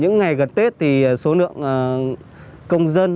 gần tết thì số lượng công dân